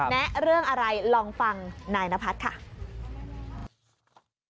แนะเรื่องอะไรลองฟังนายนพัฒน์ค่ะ